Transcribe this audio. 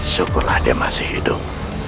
syukurlah dia masih hidup